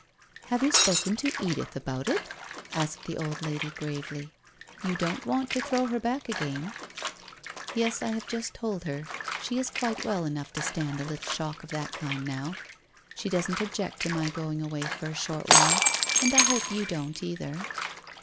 'Have you spoken to Edith about it?' asked the old lady gravely. ' You don't want to throw her back again ?'* Yes, I have just told her. She is quite well enough to stand a little shock of that kind now. She doesn't object to my going away for a short while, and I hope you don't either?'